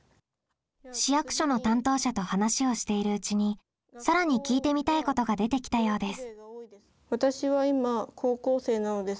市役所の担当者と話をしているうちにさらに聞いてみたいことが出てきたようです。